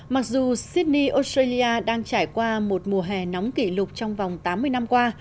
mặc dù sydney australia đang trải qua một mùa hè nóng kỷ lục trong vòng tám mươi năm qua